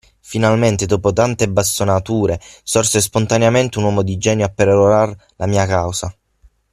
Finalmente dopo tante bastonature, sorse spontaneamente un uomo di genio a perorar la mia causa.